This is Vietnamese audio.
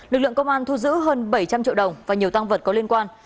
lực lượng công an thu giữ hơn bảy trăm linh triệu đồng và nhiều tăng vật có liên quan